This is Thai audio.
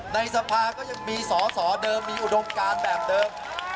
ในสภาก็ยังมีสอสอเดิมมีอุดมการแบบเดิม